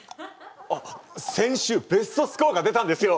あっ先週ベストスコアが出たんですよ。